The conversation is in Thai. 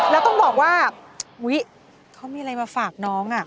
แล้วก็บอกว่าเขามีอะไรมาฝากน้อง